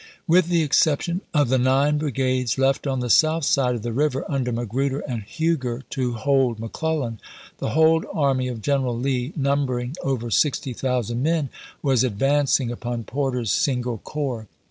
With the exception of the nine brigades left on the south side of the river under Magruder and Huger to hold McClellan, the whole army of G eneral Lee, numbering over sixty thousand men, was ad vancing upon Porter's single corps.